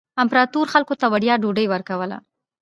امپراتور خلکو ته وړیا ډوډۍ ورکوله.